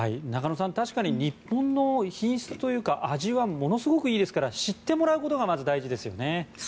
中野さん、確かに日本の品質というか味はものすごくいいですから知ってもらうことがまず大事ですよね。